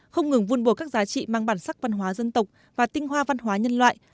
không ngừng vun bồi các giá trị mang bản sắc văn hóa dân tộc và tinh hoa văn hóa nhân loại